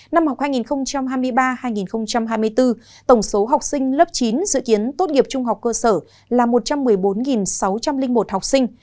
năm học hai nghìn hai mươi ba hai nghìn hai mươi bốn tổng số học sinh lớp chín dự kiến tốt nghiệp trung học cơ sở là một trăm một mươi bốn sáu trăm linh một học sinh